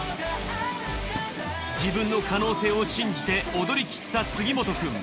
自分の可能性を信じて踊りきった杉本くん。